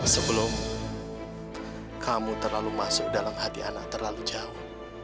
sebelum kamu terlalu masuk dalam hati anak terlalu jauh